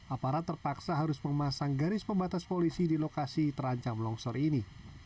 aparat terpaksa harus memasang garis pembatas polisi di lokasi terancam longsor ini